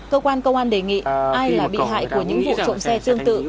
cơ quan công an đề nghị ai là bị hại của những vụ trộm xe tương tự